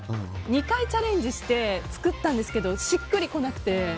２回チャレンジして作ったんですけどしっくりこなくて。